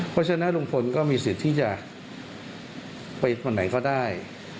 เพราะฉะนั้นลุงพลก็มีสิทธิ์ที่จะไปคนไหนก็ได้